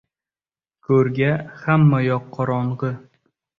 • Ko‘rga hammayoq qorong‘i.